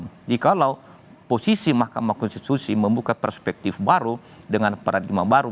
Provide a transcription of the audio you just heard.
jadi kalau posisi mahkamah konstitusi membuka perspektif baru dengan paradigma baru